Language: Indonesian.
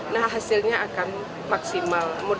nah hasilnya akan maksimal